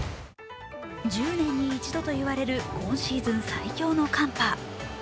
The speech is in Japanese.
１０年に一度といわれる今シーズン最強の寒波。